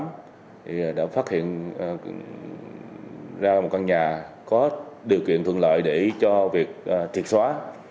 thì đã phát hiện ra một căn nhà có điều kiện thuận lợi để cho việc triệt xóa